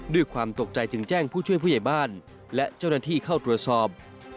ด้วยความตกใจจึงแจ้งผู้ช่วยผู้ใหญ่บ้านและเจ้าหน้าที่เข้าตรวจสอบ